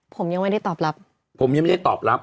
ผมยังไม่ได้ตอบรับผมยังไม่ได้ตอบรับ